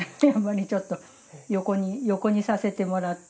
ちょっと横にさせてもらって。